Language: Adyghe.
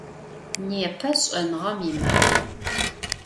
Непэ Шӏэныгъэм и Маф.